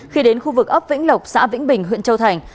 khi đến khu vực ấp vĩnh lộc xã vĩnh bình huyện châu thành